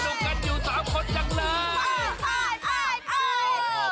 สนุกกันอยู่๓คนจังเลย